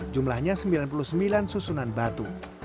jumlahnya sembilan puluh sembilan susunan batu